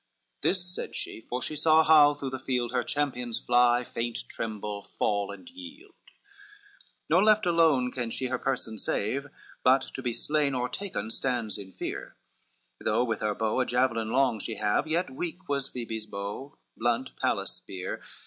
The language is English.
This said she, for she saw how through the field Her champions fly, faint, tremble, fall and yield. LXVIII Nor left alone can she her person save, But to be slain or taken stands in fear, Though with a bow a javelin long she have, Yet weak was Phebe's bow, blunt Pallas' spear.